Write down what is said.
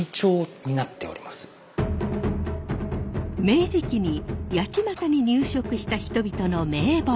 明治期に八街に入植した人々の名簿。